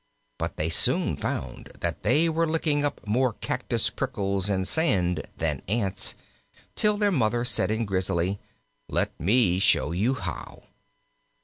But they soon found that they were licking up more cactus prickles and sand than ants, till their Mother said in Grizzly, "Let me show you how."